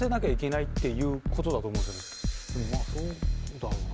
そうだろうな。